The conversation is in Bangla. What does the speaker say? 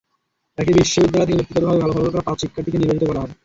একই বিদ্যালয় থেকে ব্যক্তিগতভাবে ভালো ফলাফল করা পাঁচ শিক্ষার্থীকে নির্বাচিত করা হয়।